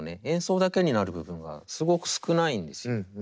演奏だけになる部分がすごく少ないんです。